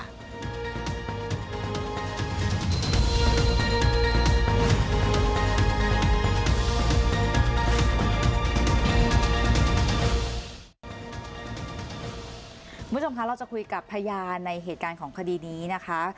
คุณผู้ชมคะเราจะคุยกับพยานในเหตุการณ์ของคดีนี้นะคะ